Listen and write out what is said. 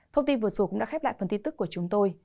thông tin vừa rồi cũng đã khép lại phần tin tức của chúng tôi